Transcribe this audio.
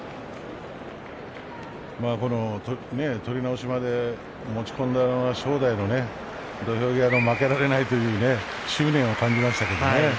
取り直しまで持ち込んだのは正代の土俵際の負けられないという執念を感じましたね。